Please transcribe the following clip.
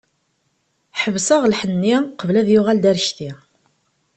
Ḥebseɣ lḥenni, qbel ad yuɣal d arekti.